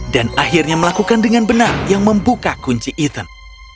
dan akhirnya melakukan dengan benar yang membuka kunci ethan